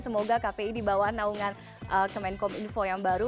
semoga kpi dibawa naungan ke menkom info yang baru